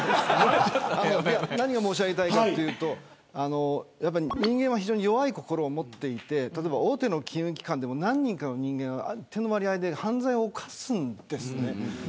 何を申し上げたいかというと人間は非常に弱い心を持っていて大手の金融機関でも何人かの人間は一定の割合で犯罪を犯すんです。